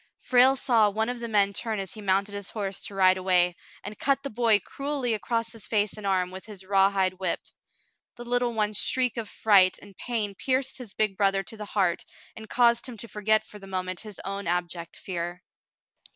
Frale saw one of the men turn as he mounted his horse to ride away, and cut the boy cruelly across his face and arm with his rawhide whip. The little one's shriek of fright and pain pierced his big brother to the heart and caused him to forget for the moment his own abject fear.